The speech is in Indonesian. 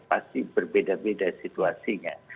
pasti berbeda beda situasinya